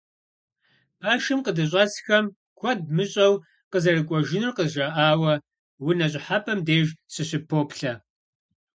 Пэшым къыдыщӀэсхэм куэд мыщӀэу къызэрыкӀуэжынур къызжаӀауэ, унэ щӀыхьэпӀэм деж сыщыпоплъэ.